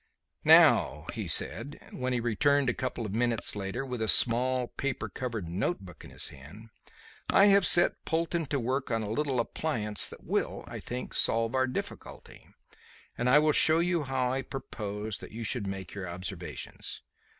"Now," he said, when he returned a couple of minutes later with a small, paper covered notebook in his hand, "I have set Polton to work on a little appliance that will, I think, solve our difficulty, and I will show you how I propose that you should make your observations.